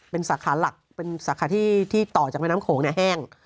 เป็นสาขาหลักเป็นสาขาที่ต่อจากแม่น้ำโขงแห้ง